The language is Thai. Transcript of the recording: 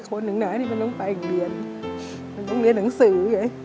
เวลามันต้องเรียนหนังสือ